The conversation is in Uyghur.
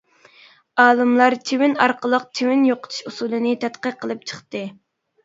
ئالىملار چىۋىن ئارقىلىق چىۋىن يوقىتىش ئۇسۇلىنى تەتقىق قىلىپ چىقتى.